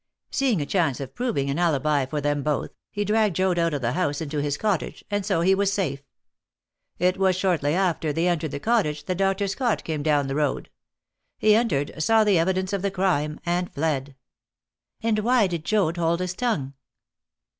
Seeing a chance of proving an alibi for them both, he dragged Joad out of the house into his cottage; and so he was safe. It was shortly after they entered the cottage that Dr. Scott came down the road. He entered, saw the evidence of the crime, and fled." "And why did Joad hold his tongue?"